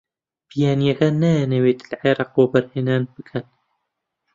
بیانییەکان نایانەوێت لە عێراق وەبەرهێنان بکەن.